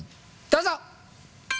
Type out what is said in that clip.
どうぞ！